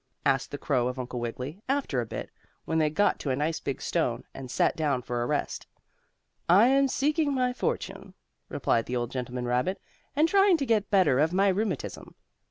asked the crow of Uncle Wiggily, after a bit, when they got to a nice big stone, and sat down for a rest. "I am seeking my fortune," replied the old gentleman rabbit, "and trying to get better of my rheumatism. Dr.